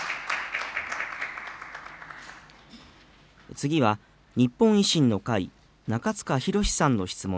次は、日本維新の会、中司宏さんの質問です。